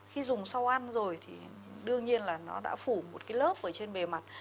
khi dùng sau ăn rồi thì đương nhiên là nó đã phủ một cái lớp ở trên bề mặt